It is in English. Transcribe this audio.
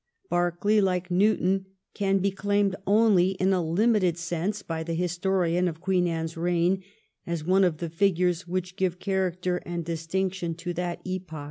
Berkeley, like Newton, can be claimed only in a certain limited sense by the his torian of Queen Anne's reign as one of the figures which give character and distinction to that epoch.